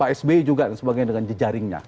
usb juga dan sebagainya dengan jejaringnya